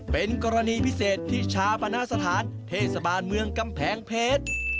เป็นกรณีพิเศษที่ชาปณสถานเทศบาลเมืองกำแพงเพชร